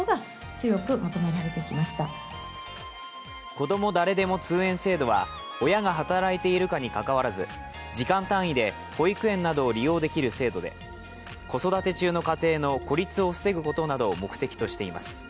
こども誰でも通園制度は親が働いているかにかかわらず時間単位で保育園などを利用できる制度で子育て中の家庭の孤立を防ぐことなどを目的としています。